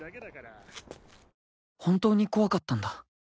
［本当に怖かったんだ］